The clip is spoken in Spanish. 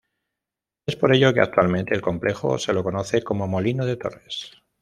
Es por ello que actualmente el complejo se lo conoce como Molino de Torres.